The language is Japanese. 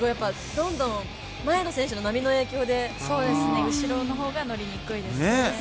どんどん前の選手の波の影響で後ろの方が乗りにくいですね。